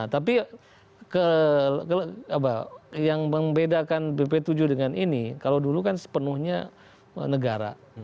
tapi yang membedakan bp tujuh dengan ini kalau dulu kan sepenuhnya negara